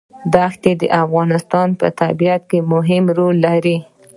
دښتې د افغانستان په طبیعت کې مهم رول لري.